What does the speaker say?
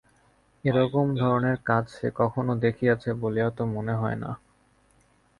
এ রকম ধরনের কাচ সে কখনও দেখিয়াছে বলিয়া তো মনে হয় না।